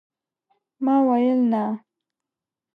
ما ويل ، نه !